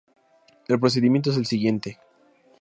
El procedimiento es el siguiente.